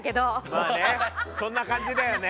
まあねそんな感じだよね。